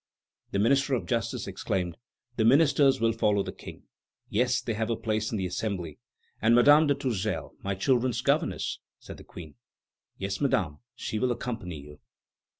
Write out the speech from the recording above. The Minister of Justice exclaimed: "The ministers will follow the King." "Yes, they have a place in the Assembly." "And Madame de Tourzel, my children's governess?" said the Queen. "Yes, Madame; she will accompany you."